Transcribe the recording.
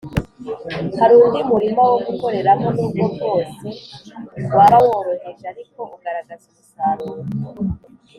. Hari undi murima wo gukoreramo, n’ubwo bwose waba woroheje, ariko ugaragaza umusaruro